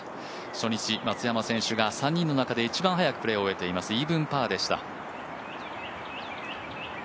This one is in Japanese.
初日、松山選手が３人の中で一番早くプレーを終えてます。